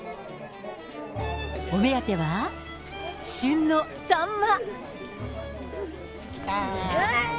お目当ては旬のサンマ。